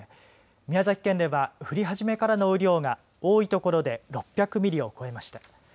宮崎県では降り始めからの雨量が多いところで６００ミリを超えました。